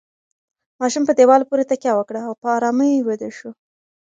ماشوم په دیوال پورې تکیه وکړه او په ارامۍ ویده شو.